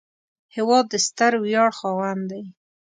هېواد د ستر ویاړ خاوند دی